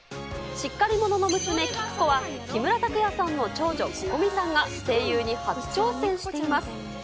しっかりものの娘、キクコは、木村拓哉さんの長女、Ｃｏｃｏｍｉさんが声優に初挑戦しています。